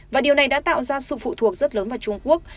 và điều này đã tạo ra sự phụ thuộc rất lớn vào trung quốc